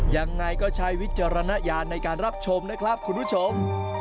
ยังไงก็ใช้วิจารณญาณในการรับชมนะครับคุณผู้ชม